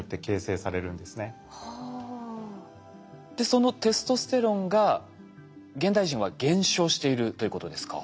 そのテストステロンが現代人は減少しているということですか？